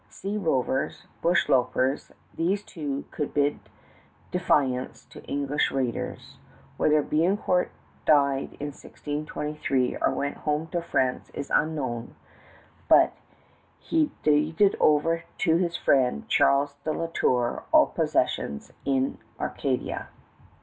Sea rovers, bush lopers, these two could bid defiance to English raiders. Whether Biencourt died in 1623 or went home to France is unknown; but he deeded over to his friend, Charles de La Tour, all possessions in Acadia.